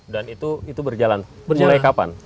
dan itu berjalan